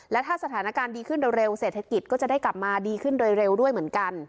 และถ้าสถานการณ์ดีขึ้นเร็วเศรษฐกิจก็จะได้กลับมาดีขึ้นโดยเร็วด้วยเหมือนกัน